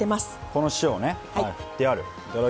この塩ねはい振ってある。